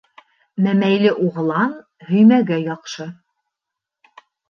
Мәмәйле уғлан һөймәгә яҡшы.